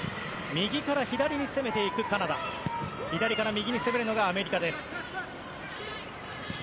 右から左に攻めていくカナダ左から右に攻めるのがアメリカです。